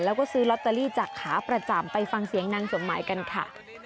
แล้วก็ซื้อลอตเตอรี่จากขาประจำไปฟังเสียงนางสมหมายกันค่ะ